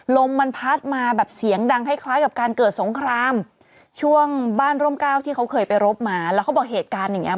ลมมันพัดมาแบบเสียงดังคล้ายคล้ายกับการเกิดสงครามช่วงบ้านร่มก้าวที่เขาเคยไปรบมาแล้วเขาบอกเหตุการณ์อย่างเงี้